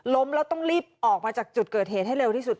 ล้มแล้วต้องรีบออกมาจากจุดเกิดเหตุให้เร็วที่สุด